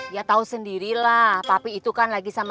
ya tau sendiri lah papi itu kan lagi sama siapa